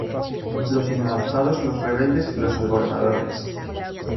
Los inadaptados Los rebeldes Los alborotadores.